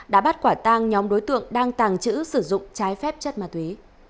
đã bắt quả tang nhóm đối tượng đang tàng trữ sử dụng trái phép chất ma túy